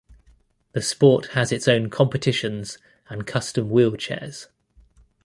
The sport has its own competitions and custom wheelchairs.